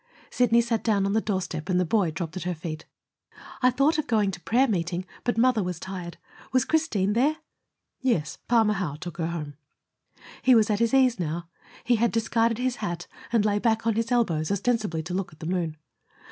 Sidney sat down on the doorstep, and the boy dropped at her feet. "I thought of going to prayer meeting, but mother was tired. Was Christine there?" "Yes; Palmer Howe took her home." He was at his ease now. He had discarded his hat, and lay back on his elbows, ostensibly to look at the moon.